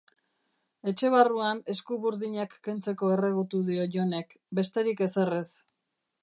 Etxe barruan esku-burdinak kentzeko erregutu dio Jonek, besterik ezer ez.